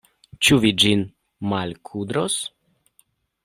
Ĉu vi ĝin malkudros?